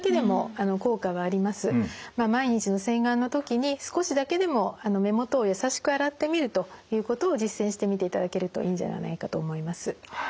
毎日の洗顔の時に少しだけでも目元を優しく洗ってみるということを実践してみていただけるといいんじゃないかと思います。